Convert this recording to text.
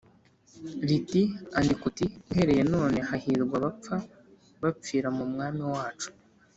riti “Andika uti ‘Uhereye none hahirwa abapfa bapfira mu Mwami wacu.’ ”